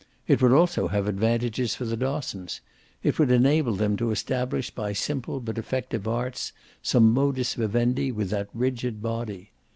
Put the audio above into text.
It would also have advantages for the Dossons; it would enable them to establish by simple but effective arts some modus vivendi with that rigid body.